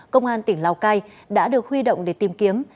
công an tỉnh lào cai đã được huy động để tìm kiếm